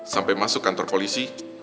sampai masuk kantor polisi